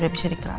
udah bisa dikelas